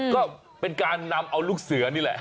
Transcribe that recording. ก็เป็นการนำเอาลูกเสือนี่แหละ